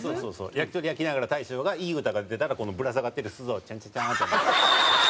焼き鳥焼きながら大将がいい歌が出たらぶら下がってる鈴をチャンチャチャーンって鳴らす。